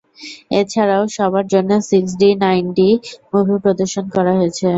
এছাড়াও সবার জন্য six D, nine D movie প্রদর্শন করা হয়েছে।